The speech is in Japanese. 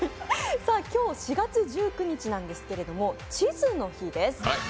今日４月１９日なんですけれども、地図の日です。